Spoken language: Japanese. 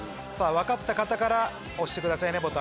分かった方から押してくださいね。